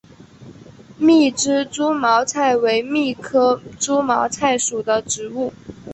密枝猪毛菜为苋科猪毛菜属的植物。